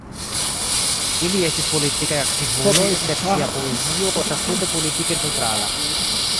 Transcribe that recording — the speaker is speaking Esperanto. Ili estis politikaj aktivuloj, sed sia poezio estas tute politike neŭtrala.